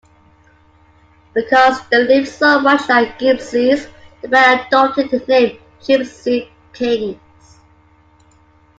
Because they lived so much like gypsies, the band adopted the name Gipsy Kings.